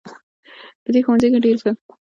په دې ښوونځي کې ډیر ښه او تجربه لرونکي ښوونکي دي